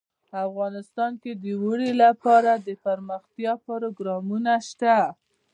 افغانستان کې د اوړي لپاره دپرمختیا پروګرامونه شته.